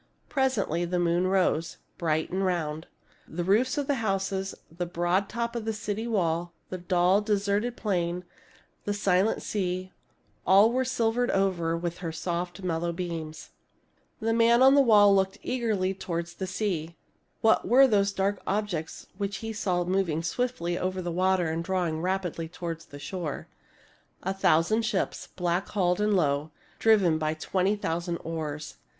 Presently the moon rose, bright and round. The roofs of the houses, the broad top of the city wall, the dull, deserted plain, the silent sea — all were silvered over with her soft, mellow beams. The man on the wall looked eagerly toward the THE FALL OF TROY 153 sea. What were those dark objects which he saw moving swiftly over the water and drawing rapidly toward the shore ? A thousand ships, black hulled and low, driven by twenty thousand oars.